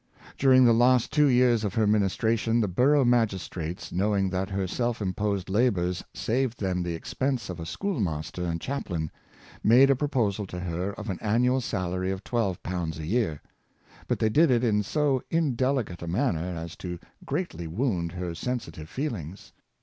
During the last two years of her ministration, the borough magistrates, knowing that her self imposed labors saved them the expense of a schoolmaster and chaplain, made a pro posal to her of an annual salary of £12 a year; but they did it in so indelicate a manner as to greatly wound her sensitive feelings.